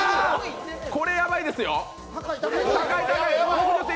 これヤバいですよ。